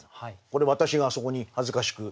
これ私があそこに恥ずかしく。